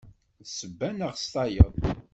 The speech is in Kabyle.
S ssebba neɣ s tayeḍ.